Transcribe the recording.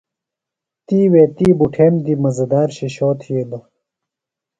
تِیوے تی بُٹھمیم دی مزہ دار شِشو تِھیلوۡ۔